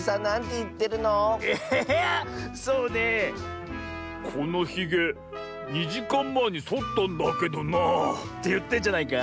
そうねえ「このひげ２じかんまえにそったんだけどなあ」っていってんじゃないか？